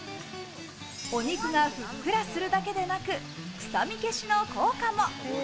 お肉がふっくらするだけでなく、臭み消しの効果も。